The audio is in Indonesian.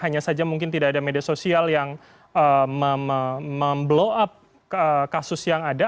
hanya saja mungkin tidak ada media sosial yang memblow up kasus yang ada